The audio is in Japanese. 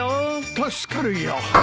助かるよ。